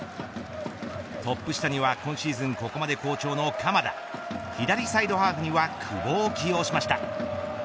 トップ下には、今シーズンここまで好調の鎌田左サイドハーフには久保を起用しました。